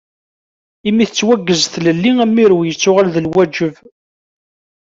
Imi tettwaggez tlelli, amirew yettuɣal d lwaǧeb.